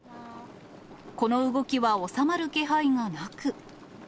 この動きは収まる気配がなく。